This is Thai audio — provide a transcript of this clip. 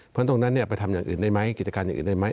เพราะตรงนั้นไปทำอย่างอื่นได้ไหมกิจการอย่างอื่นได้ไหม